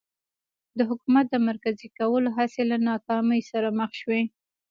د حکومت د مرکزي کولو هڅې له ناکامۍ سره مخ شوې.